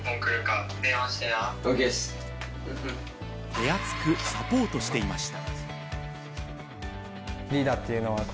手厚くサポートしていました。